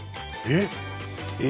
えっ？